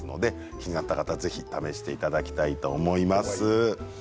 気になった方は試していただきたいと思います。